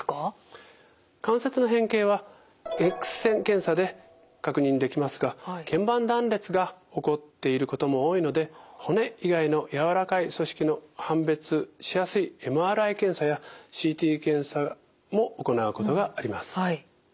関節の変形はＸ線検査で確認できますがけん板断裂が起こっていることも多いので骨以外のやわらかい組織の判別しやすいＭＲＩ検査やＣＴ検査も行うことがあります。